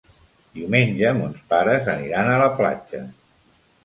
Diumenge mons pares aniran a la platja.